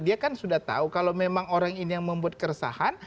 dia kan sudah tahu kalau memang orang ini yang membuat keresahan